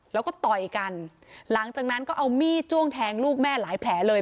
แล้วก็ต่อยกันหลังจากนั้นก็เอามีดจ้วงแทงลูกแม่หลายแผลเลย